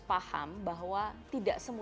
paham bahwa tidak